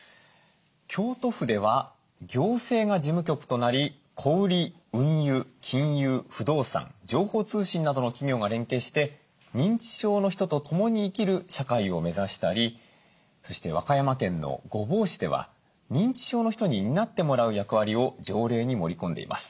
京都府では行政が事務局となり小売り運輸金融不動産情報通信などの企業が連携して認知症の人とともに生きる社会を目指したりそして和歌山県の御坊市では認知症の人に担ってもらう役割を条例に盛り込んでいます。